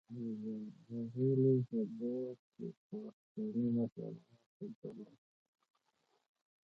د مغولو په دور کي پښتنو مشرانو ته دا لقب ورکړل سو